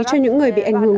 cho những người bị ảnh hưởng